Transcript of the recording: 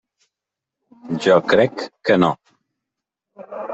Jo crec que no.